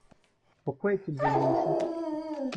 Pourquoi est-il venu ici ?